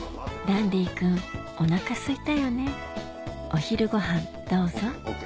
ダンディ君お腹すいたよねお昼ごはんどうぞＯＫＯＫ。